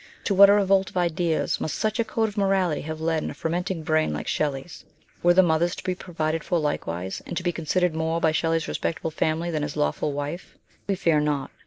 To what a revolt of ideas must such a code of morality have led in a fer menting brain like Shelley's ! Were the mothers to be provided for likewise, and to be considered more by Shelley's respectable family than his lawful wife ? We fear not.